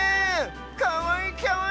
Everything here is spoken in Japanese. かわいいかわいい！